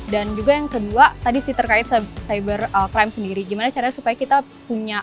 dan juga yang kedua tadi sih terkait cyber crime sendiri gimana caranya supaya kita punya